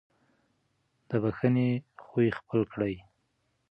د بښنې خوی خپل کړئ.